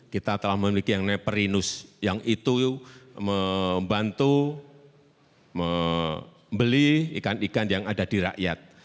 kita telah memiliki yang namanya perinus yang itu membantu membeli ikan ikan yang ada di rakyat